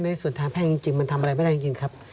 ในส่วนทางแพ่งจริงมันทำอะไรไม่ได้จริงครับ